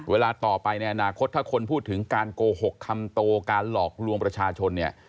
เวลาต่อไปในอนาคตถ้าคนพูดถึงการโกหกคำโตการหลอกลวงประชาชนเนี่ย